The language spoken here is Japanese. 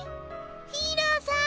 ヒーローさん